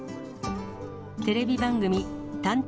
テレビ番組、探偵！